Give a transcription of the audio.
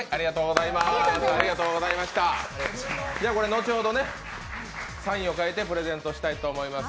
後ほど、サインを書いてプレゼントしたいと思います。